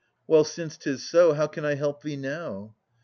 Well, since 'tis so, how can I help thee now?